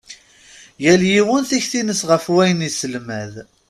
Yal yiwen tikti-ines ɣef wayen iselmad.